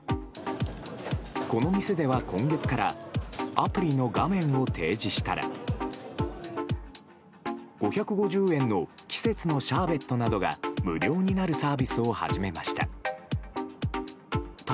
この店では今月から、アプリの画面を提示したら、５５０円の季節のシャーベットなどが無料になるサービスを始めました。